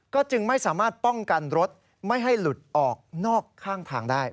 ก็จึงไม่สามารถป้องกันรถไม่ให้หลุดออกนอกข้างทางได้